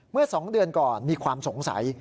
เมื่อ๒เดือนก่อนมีความสงสัย